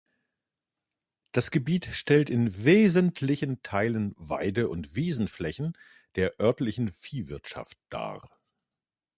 Das Gebiet stellt in wesentlichen Teilen Weide- und Wiesenflächen der örtlichen Viehwirtschaft dar.